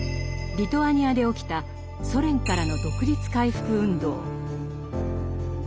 リトアニアで起きたソ連からの独立回復運動。